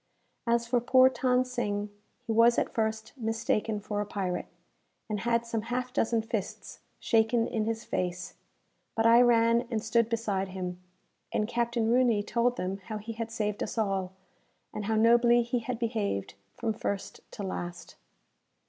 As for poor Than Sing, he was at first mistaken for a pirate, and had some half dozen fists shaken in his face; but I ran and stood beside him, and Captain Rooney told them how he had saved us all, and how nobly he had behaved from first to last.